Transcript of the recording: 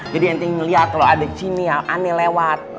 jadi yang tinggi ngeliat kalau ada di sini yang aneh lewat